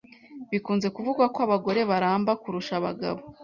Bikunze kuvugwa ko abagore baramba kurusha abagabo.